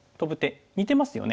似てますよね。